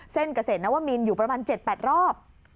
เส้นเกษตรนัวว่ามีนอยู่ประมาณ๗๘รอบ